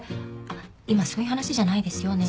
今そういう話じゃないですよお義姉さん。